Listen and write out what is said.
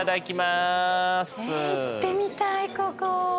行ってみたいここ。